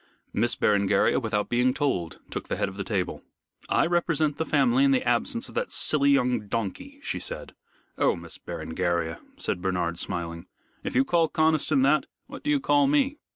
Miss Berengaria without being told took the head of the table. "I represent the family in the absence of that silly young donkey," she said. "Oh, Miss Berengaria," said Bernard, smiling, "if you call Conniston that, what do you call me?"